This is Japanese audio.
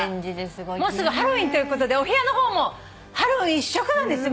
もうすぐハロウィーンということでお部屋の方もハロウィーン一色なんですよ。